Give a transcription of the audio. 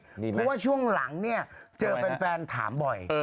เพราะว่าช่วงหลังเนี่ยเจอแฟนถามบ่อย